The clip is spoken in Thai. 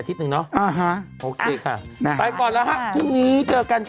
อาทิตย์หนึ่งเนอะโอเคค่ะไปก่อนแล้วค่ะพรุ่งนี้เจอกัน